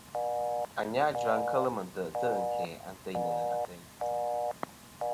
Anyajua kel mɨ tè'tɨ ɨn kæ anteynɨ ateyn.